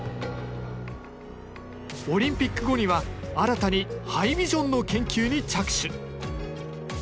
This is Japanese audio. オリンピック後には新たにハイビジョンの研究に着手。